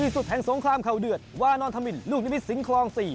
สุดแห่งสงครามเข่าเดือดวานอนธมินลูกนิมิตสิงคลอง๔